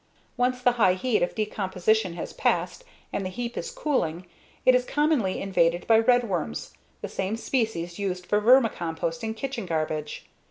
Once the high heat of decomposition has passed and the heap is cooling, it is commonly invaded by redworms, the same species used for vermicomposting kitchen garbage.